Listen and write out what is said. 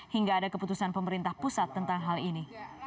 hingga ada keputusan pemerintah pusat tentang hal ini